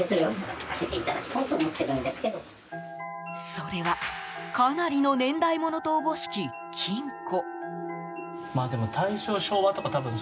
それはかなりの年代ものと思しき金庫。